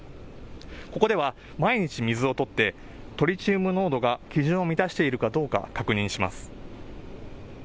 ここでは毎日水をとってトリチウム濃度が基準を満たしているかどうか確認します。